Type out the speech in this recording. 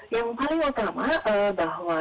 yang paling pertama bahwa